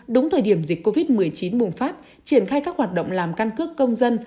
đúng thời điểm dịch covid một mươi chín bùng phát triển khai các hoạt động làm căn cước công dân